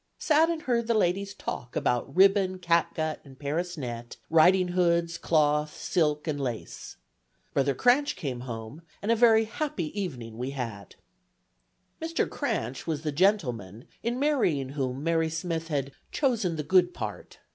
Sat and heard the ladies talk about ribbon, catgut, and Paris net, ridinghoods, cloth, silk and lace. Brother Cranch came home, and a very happy evening we had." Mr. Cranch was the gentleman in marrying whom Mary Smith had "chosen the good part."